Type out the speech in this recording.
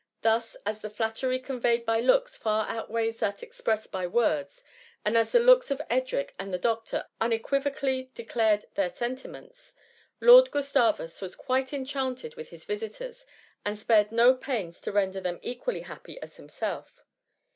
Thus, as the flattery conveyed by looks far outweighs that expressed by words, and as the looks of Edric and the doctor unequivocally declared their sentiments. Lord Gustavus was quite enchanted with his visitors, and spared no pains to render them equally happy as himself.